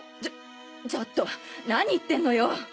ちょちょっと何言ってんのよ？